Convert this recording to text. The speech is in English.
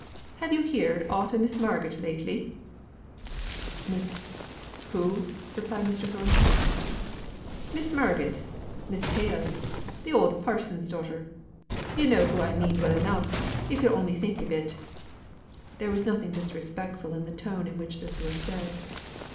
"Have yo' heerd aught of Miss Marget lately?" "Miss who?" replied Mr. Thornton. "Miss Marget Miss Hale th' oud parson's daughter yo' known who I mean well enough if yo'll only think a bit " (there was nothing disrespectful in the tone in which this was said).